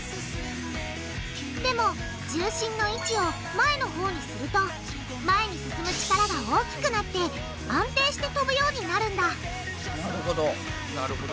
でも重心の位置を前のほうにすると前に進む力が大きくなって安定して飛ぶようになるんだなるほど。